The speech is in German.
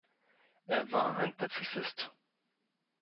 Er war ein Pazifist.